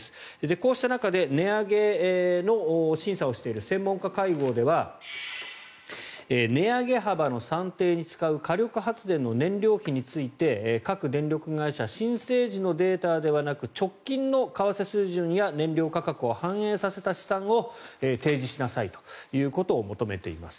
こうした中で値上げの審査をしている専門家会合では値上げ幅の算定に使う火力発電の燃料費について各電力会社申請時のデータではなく直近の為替水準や燃料価格を反映させた試算を提示しなさいということを求めています。